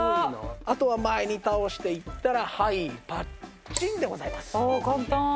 あとは前に倒していったらはいパッチンでございます。